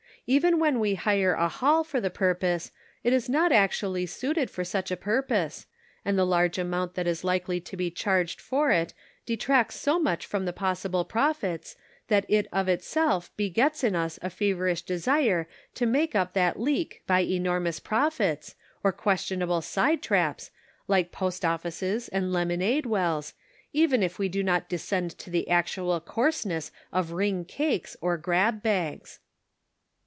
Even when we hire a hall for the purpose it is not actually suited for such a purpose, and the large amount that is likely to be charged for it detracts so much from the possible profits that it of itself begets in us a feverish desire to make up that leak by enormous profits, or questionable side traps, like post offices and lemonade wells, even if we do not descend to the actual coarseness of ring cakes or grab bags."